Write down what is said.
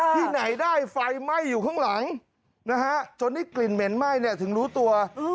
ที่ไหนได้ไฟไหม้อยู่ข้างหลังนะฮะจนได้กลิ่นเหม็นไหม้ถึงรู้ตัว